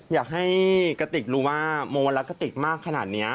อยากให้กระติกรู้ว่าโมรักกะติกมากขนาดนี้